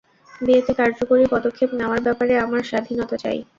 বিয়েতে কার্যকরী পদক্ষেপ নেওয়ার ব্যপারে আমার স্বাধীনতা চাই।